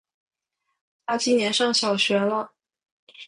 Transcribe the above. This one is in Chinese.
他今年上小学了